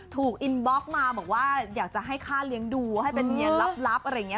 ถูกอินบล็อกมาบอกว่าอยากจะให้ค่าเลี้ยงดูให้เป็นเมียลับอะไรอย่างนี้